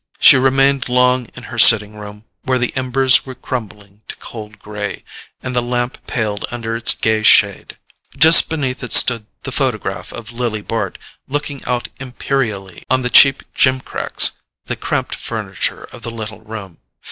She remained long in her sitting room, where the embers were crumbling to cold grey, and the lamp paled under its gay shade. Just beneath it stood the photograph of Lily Bart, looking out imperially on the cheap gimcracks, the cramped furniture of the little room.